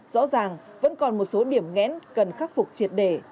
rõ ràng vẫn còn một số điểm ngẽn cần khắc phục triệt đề